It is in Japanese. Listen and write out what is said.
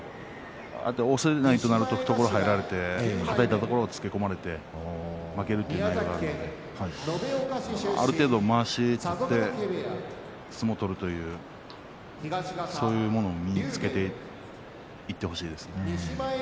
押されないとなると懐に入られてはたいたところを、つけ込まれて負けるきらいがあるのである程度まわしを取って相撲を取るというそういうものを身につけていってほしいです。